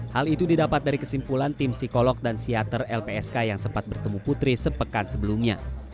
hal itu didapat dari kesimpulan tim psikolog dan siater lpsk yang sempat bertemu putri sepekan sebelumnya